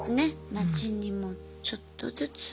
街にもちょっとずつ。